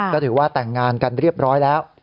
ก็ถือว่าแต่งงานกันเรียบร้อยแล้ว